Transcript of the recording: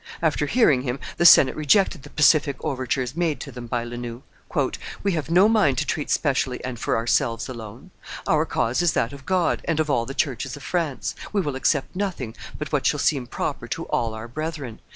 After hearing him, the senate rejected the pacific overtures made to them by La Noue. "We have no mind to treat specially and for ourselves alone; our cause is that of God and of all the churches of France; we will accept nothing but what shall seem proper to all our brethren.